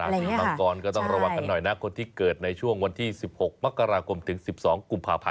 เราก็ต้องระวังกันหน่อยนะคนที่เกิดในช่วงวันที่๑๖๑๒กภพ